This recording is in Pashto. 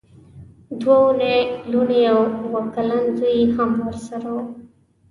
دوه لوڼې او اوه کلن زوی یې هم ورسره وو.